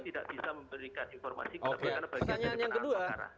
tidak bisa memberikan informasi kepada bagian dari penanganan perkara